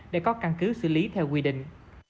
để có căn cứ xử lý theo quy định